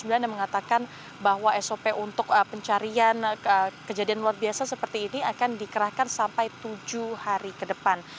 dan mengatakan bahwa sop untuk pencarian kejadian luar biasa seperti ini akan dikerahkan sampai tujuh hari ke depan